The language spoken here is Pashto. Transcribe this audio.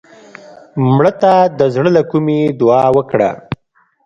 مړه ته د زړه له کومې دعا وکړه